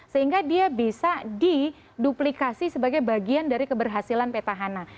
sehingga dia bisa diduplikasi sebagai bagian dari keberhasilan petahana